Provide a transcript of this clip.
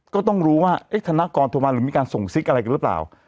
ก็ต้องรู้ว่าธนกรโทรมาหรือมีการส่งซิกอะไรกันหรือเปล่า